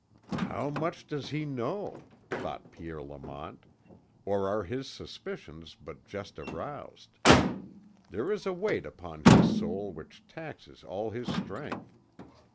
"How much does he know?" thought Pierre Lamont; "or are his suspicions but just aroused? There is a weight upon his soul which taxes all his strength.